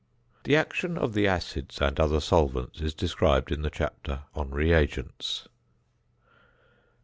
] The action of the acids and other solvents is described in the chapter on Reagents.